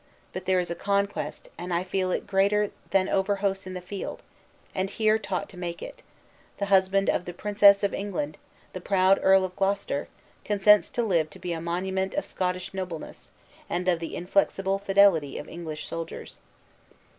But there is a conquest, and I feel it, greater than over hosts in the field; and here taught to make it, the husband of the princess of England, the proud Earl of Gloucester, consents to live to be a monument of Scottish nobleness, and of the inflexible fidelity of English soldiers."